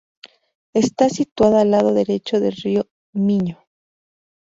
Está situada al lado derecho del Río Miño.